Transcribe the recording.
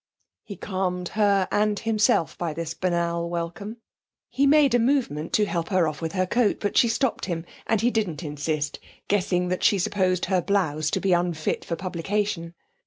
He calmed her and himself by this banal welcome. He made a movement to help her off with her coat, but she stopped him, and he didn't insist, guessing that she supposed her blouse to be unfit for publication.